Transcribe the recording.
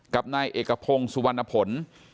กับนายเอกพงศ์สุวรรณผล